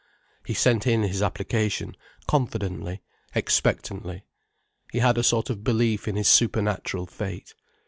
He sent in his application, confidently, expectantly. He had a sort of belief in his supernatural fate.